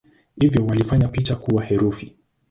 Hivyo walifanya picha kuwa herufi.